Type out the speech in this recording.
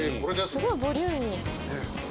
すごいボリューミー。